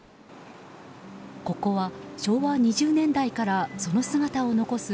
ここは昭和２０年代からその姿を残す